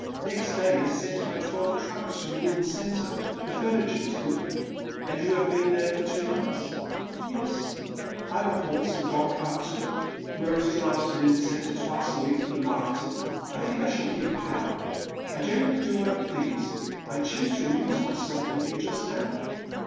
Next day they sent my twelve trunks from Lynne Centre. The furniture was good. And you have been there for two months ?Yes. I have a horse and dog cart too. Rose drives to Lynne Centre twice a week for the mar keting. I think I shall keep a cow — I generally do what I please. I choose to amuse myself with you just now.